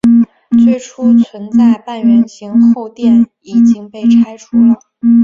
最初存在的半圆形后殿已经被拆除了。